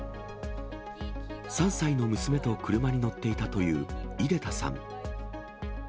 ３歳の娘と車に乗っていたという出田さん。